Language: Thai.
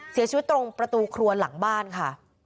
เสียชีวิตตรงประตูครัวหลังบ้านค่ะ